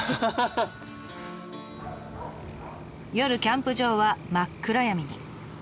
夜キャンプ場は真っ暗闇に。